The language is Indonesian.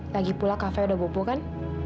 lagi pula kafe udah gubuh kan